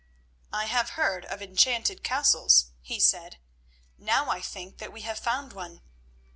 "I have heard of enchanted castles," he said; "now I think that we have found one."